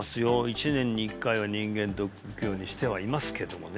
１年に１回は人間ドック行くようにしてはいますけどもね